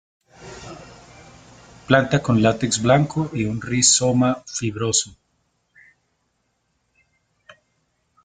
Planta con látex blanco y un rizoma fibroso.